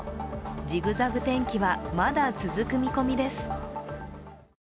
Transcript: ジグザグ天気はまだ続く見込みです。